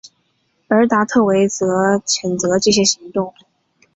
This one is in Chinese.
而达维特则谴责这些行动。